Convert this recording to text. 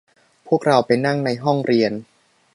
พวกเราไปนั่งในห้องเรียน